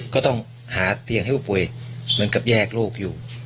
ก็ต้องหาเตียงให้ผู้ป่วยเหมือนกับแยกลูกอยู่